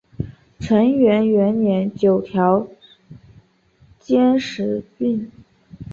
承元元年九条兼实薨。